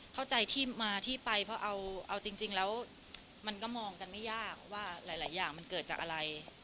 เข้าใจที่มาที่ไปเพราะเอาจริงแล้วมันก็มองกันไม่ยากว่าหลายอย่างมันเกิดจากอะไร